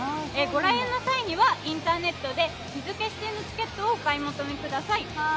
ご来園の際にはインターネットで日付指定のチケットをお買い求めください。